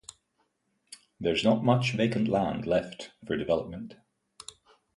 There's not much vacant land left for development.